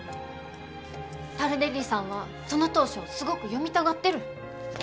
タルデッリさんはその投書をすごく読みたがってる。